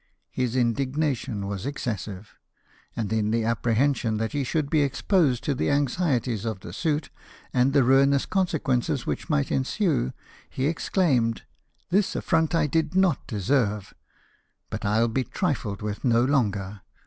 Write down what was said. His indignation was excessive : and in the apprehension that he should be exposed to the anxieties of the suit, and the ruinous consequences which might ensue, he exclaimed, " This afiront I did not deserve ! But I'il be trifled with no longer.